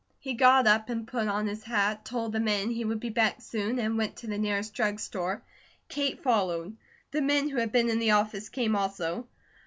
He got up and put on his hat, told the men he would be back soon, and went to the nearest drug store. Kate followed. The men who had been in the office came also.